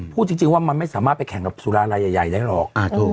พูดจริงว่ามันไม่สามารถไปแข่งกับสุรารายใหญ่ได้หรอก